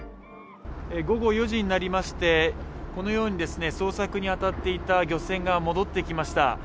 午後４時になりまして、このようにですね捜索にあたっていた漁船が戻ってきました